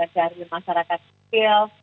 dari masyarakat kecil